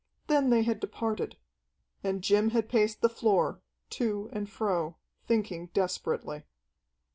Then they had departed. And Jim had paced the floor, to and fro, thinking desperately.